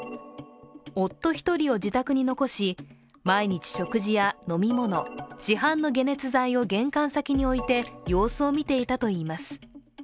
夫一人を自宅に残し毎日食事や飲み物、市販の解熱剤を玄関先に置いて様子を見ていたといいます。